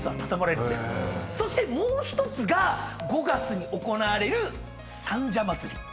そしてもう１つが５月に行われる三社祭。